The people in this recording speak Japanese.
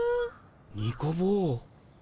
ニコ坊。